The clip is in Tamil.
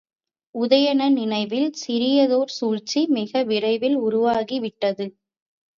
உதயணன் நினைவில் சிறியதோர் சூழ்ச்சி மிக விரைவில் உருவாகி விட்டது.